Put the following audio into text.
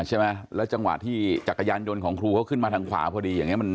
ใช่ไหมแล้วจังหวะที่จักรยานยนต์ของครูเขาขึ้นมาทางขวาพอดีอย่างเงี้มัน